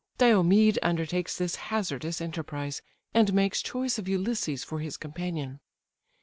Diomed undertakes this hazardous enterprise, and makes choice of Ulysses for his companion.